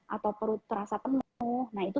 atau perut terasa penuh nah itu